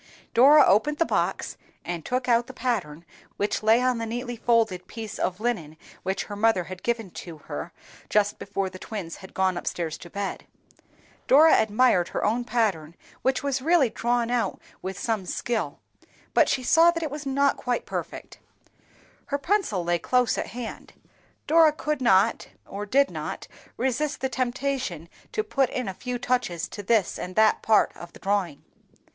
Dora opened the box, and took out the pattern which lay on the neatly folded piece of linen which her mother had given to her just before the twins had gone up stairs to bed. Dora admired her own pattern, which was realty drawn out with some skill, but she saw that it was not quite perfect. Her pencil lay close at hand; Dora could not, or did not, resist the temptation to put in a few touches to this and that part of the drawing.